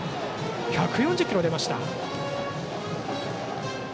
１４０キロ出ました。